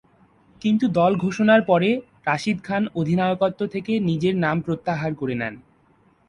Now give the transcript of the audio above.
কিন্তু দল ঘোষণার পরে রাশিদ খান অধিনায়কত্ব থেকে নিজের নাম প্রত্যাহার করে নেন।